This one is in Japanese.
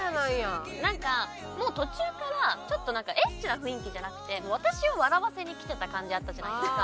もう途中からちょっとなんかエッチな雰囲気じゃなくて私を笑わせにきてた感じあったじゃないですか。